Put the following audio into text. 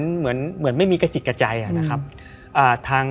เหมือนไม่มีกระจิตกระใจนะครับ